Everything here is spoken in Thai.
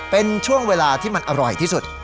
เป็นช่วงเวลาที่มันอร่อยที่สุด